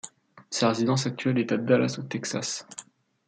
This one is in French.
Sa résidence actuelle est à Dallas, au Texas.